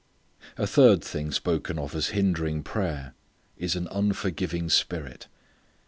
A third thing spoken of as hindering prayer is an unforgiving spirit.